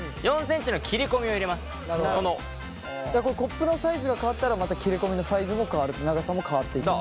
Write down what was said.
コップのサイズが変わったらまた切れ込みのサイズも変わる長さも変わっていく？